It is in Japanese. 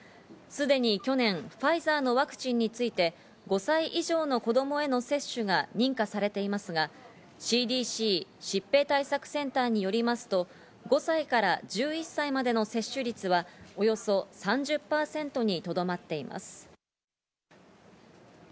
すでに去年、ファイザーのワクチンについて５歳以上の子供への接種が認可されていますが、ＣＤＣ＝疾病対策センターによりますと、５歳から１１歳までの接種率はおよそ３０％にとどまっています。